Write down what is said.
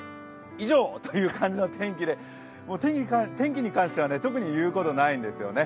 以上というような天気で、天気に関しては特に言うことはないんですよね。